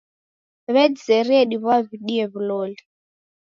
W'adizerie ndew'iw'adie w'uloli.